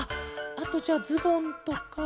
あとじゃあズボンとか。